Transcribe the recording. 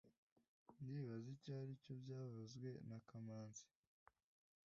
Ndibaza icyo aricyo byavuzwe na kamanzi